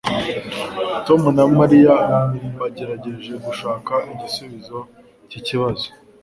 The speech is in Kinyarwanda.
Tom na Mariya bagerageje gushaka igisubizo cyikibazo